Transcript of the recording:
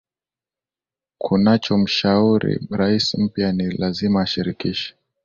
kunacho mshauri rais mpya ni lazima ashirikishe